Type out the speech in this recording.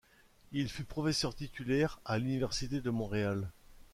Il fut professeur titulaire à l'Université de Montréal.